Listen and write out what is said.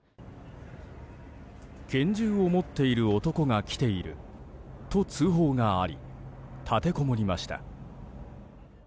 拳銃を持っている男が来ていると通報があり立てこもりました。